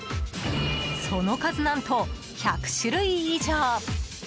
その数、何と１００種類以上。